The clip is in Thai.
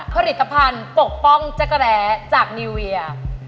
ผลิตภัณฑ์ปกป้องจักรแร้จากนิวเวีย